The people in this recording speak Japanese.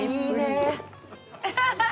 「ハハハハ！」